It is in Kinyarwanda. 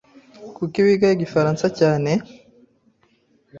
Kuki wiga Igifaransa cyane?